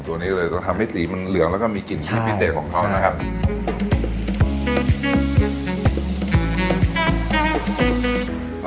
ตัวนี้เลยจะทำให้สีมันเหลืองแล้วก็มีกลิ่นที่พิเศษของเขานะครับ